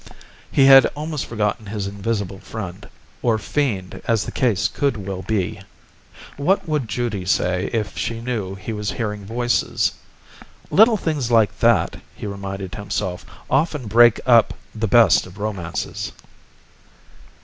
He had almost forgotten his invisible friend. Or fiend, as the case could well be. What would Judy say if she knew he was hearing voices? Little things like that, he reminded himself, often break up the best of romances.